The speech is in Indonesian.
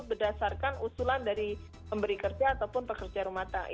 berdasarkan usulan dari pemberi kerja ataupun pekerja rumah tangga